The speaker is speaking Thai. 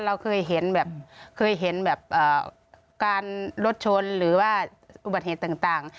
เราเคยเห็นแบบการรถชนหรือว่าอุบัติเหตุต่าง